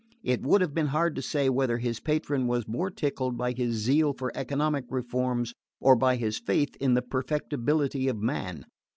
It would have been hard to say whether his patron was most tickled by his zeal for economic reforms, or by his faith in the perfectibility of man.